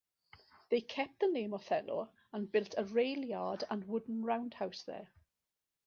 They kept the name Othello, and built a railyard and wooden roundhouse there.